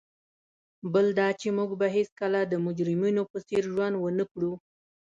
بل دا چي موږ به هیڅکله د مجرمینو په څېر ژوند ونه کړو.